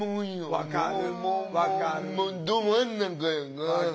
分かる。